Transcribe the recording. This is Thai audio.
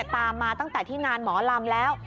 ตามมาตั้งแต่ที่งานหมอลำแล้ว